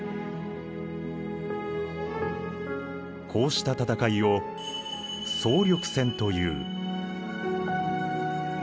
こうした戦いを総力戦という。